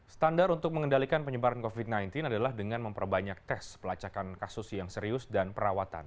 standar untuk mengendalikan penyebaran covid sembilan belas adalah dengan memperbanyak tes pelacakan kasus yang serius dan perawatan